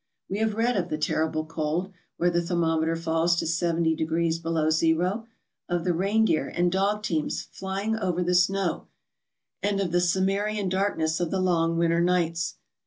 We have read of the terrible cold, where the thermometer falls to seventy degrees below zero; of the reindeer and dog teams flying over the snow, and of the Cimmerian darkness of the long winter nights.